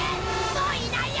もういないよ！